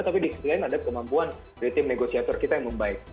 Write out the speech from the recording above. tapi di sekitarnya ada kemampuan dari tim negosiasi kita yang membaik